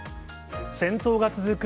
戦闘が続く